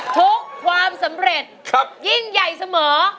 ความสำเร็จยิ่งใหญ่เสมอ